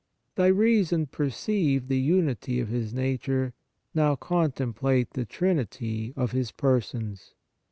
Thy reason perceived the unity of His nature ; now contemplate the Trinity of His Persons.